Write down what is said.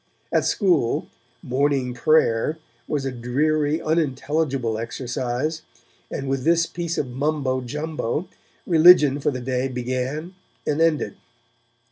At school, 'morning prayer' was a dreary, unintelligible exercise, and with this piece of mumbo jumbo, religion for the day began and ended.